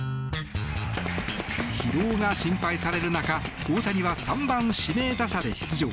疲労が心配される中大谷は３番指名打者で出場。